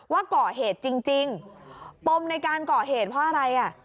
ว่าก่อเหตุจริงปมในการก่อเหตุเพราะอะไรอ่ะ